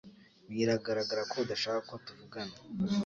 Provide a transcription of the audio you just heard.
Biragaragara ko adashaka ko tuvugana